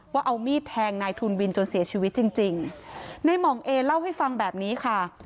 ว่าเอามีดแทงนายทุนวินจนเสียชีวิตจริงจริงในหม่องเอเล่าให้ฟังแบบนี้ค่ะ